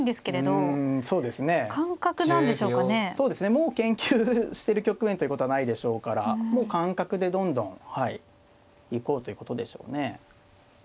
もう研究してる局面ということはないでしょうからもう感覚でどんどん行こうということでしょうね。